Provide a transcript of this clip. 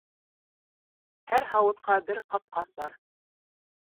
Һәр һауытҡа бер ҡапҡас бар.